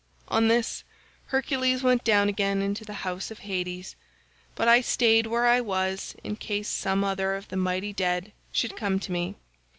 "On this Hercules went down again into the house of Hades, but I stayed where I was in case some other of the mighty dead should come to me.